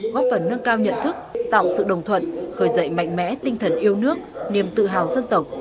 góp phần nâng cao nhận thức tạo sự đồng thuận khởi dậy mạnh mẽ tinh thần yêu nước niềm tự hào dân tộc